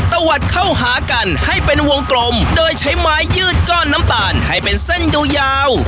ตะวัดเข้าหากันให้เป็นวงกลมโดยใช้ไม้ยืดก้อนน้ำตาลให้เป็นเส้นยาว